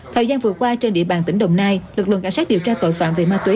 thời gian vừa qua trên địa bàn tỉnh đồng nai lực lượng cảnh sát điều tra tội phạm về ma túy